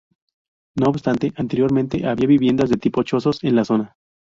No obstante anteriormente había viviendas tipo chozos en la zona.